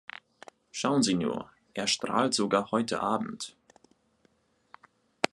Schauen Sie nur, er strahlt sogar heute Abend.